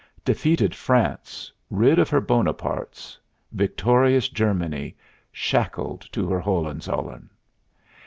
Defeated France, rid of her Bonapartes; victorious Germany, shackled to her Hohenzollern!